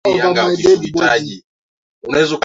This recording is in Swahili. nchini humo kwa taarifa zingine huyu hapa victor abuso